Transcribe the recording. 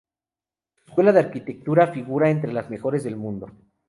Su escuela de arquitectura figura entre las mejores del mundo.